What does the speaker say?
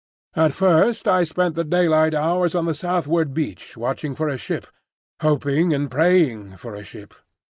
At first I spent the daylight hours on the southward beach watching for a ship, hoping and praying for a ship.